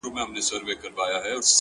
ترڅو له ماڅخه ته هېره سې؛